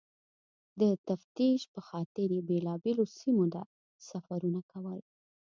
د تفتیش پخاطر یې بېلابېلو سیمو ته سفرونه کول.